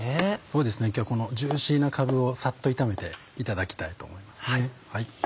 そうですね今日はこのジューシーなかぶをさっと炒めていただきたいと思いますね。